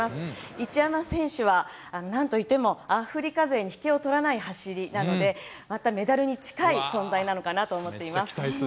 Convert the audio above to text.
一山選手はなんといってもアフリカ勢に引けを取らない走りなので、またメダルに近い存在なのかなと思っています。